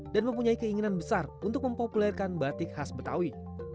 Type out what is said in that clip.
dan mempunyai keinginan besar untuk mempopulerkan batik khas betawi